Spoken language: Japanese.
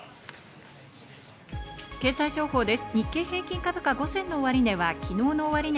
経済情報です。